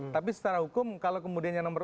tapi secara hukum kalau kemudiannya nomor